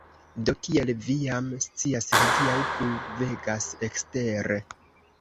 Do, kiel vi jam scias hodiaŭ pluvegas ekstere